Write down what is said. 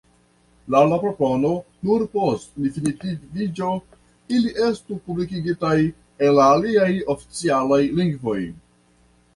Laŭ la propono, nur post definitiviĝo ili estu publikigitaj en la aliaj oficialaj lingvoj.